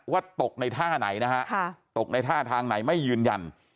ว่าตกในท่าไหนนะฮะตกในท่าทางไหนไม่ยืนยัน